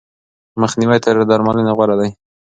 مخنیوی تر درملنې غوره دی.